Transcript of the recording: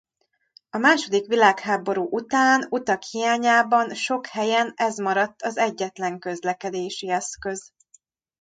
A második világháború után utak hiányában sok helyen ez maradt az egyetlen közlekedési eszköz.